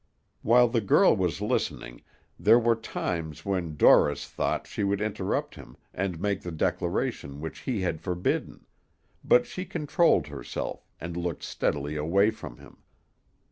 While the girl was listening, there were times when Dorris thought she would interrupt him, and make the declaration which he had forbidden; but she controlled herself, and looked steadily away from him.